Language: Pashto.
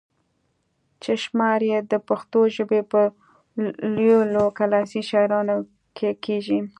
چې شمار ئې د پښتو ژبې پۀ لويو کلاسيکي شاعرانو کښې کيږي